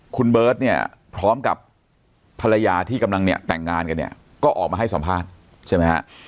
คุณเบิร์ทพร้อมกับภรรยาที่กำลังแต่งงานกันก็ออกมาให้สัมภาษณ์